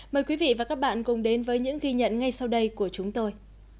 mời quý vị và các bạn cùng đến với những ghi nhận ngay sau đây của chúng tôi